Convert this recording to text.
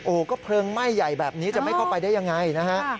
ก็เพลิงไหม้ใหญ่แบบนี้จะไม่เข้าไปได้ยังไงนะฮะ